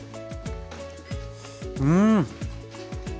うん！